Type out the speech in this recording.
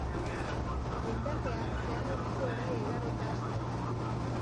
Mendatea Zeanuriko herria igarota hasten da.